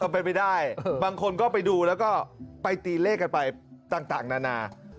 เป็นไปได้บางคนก็ไปดูแล้วก็ไปตีเลขกันไปต่างนานา